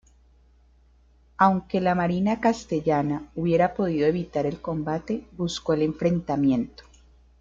Aunque la marina castellana hubiera podido evitar el combate buscó el enfrentamiento.